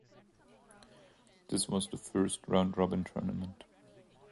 This was the first round-robin tournament.